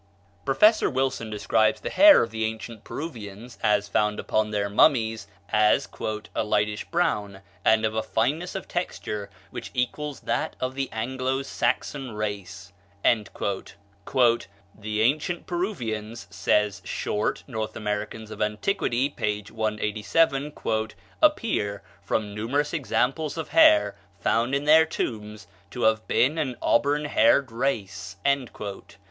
Professor Wilson describes the hair of the ancient Peruvians, as found upon their mummies, as "a lightish brown, and of a fineness of texture which equals that of the Anglo Saxon race." "The ancient Peruvians," says Short ("North Americans of Antiquity," p. 187), "appear, from numerous examples of hair found in their tombs, to have been an auburn haired race."